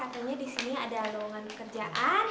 baca katanya di sini ada lowongan pekerjaan